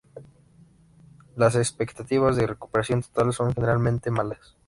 Las expectativas de recuperación total son generalmente malas.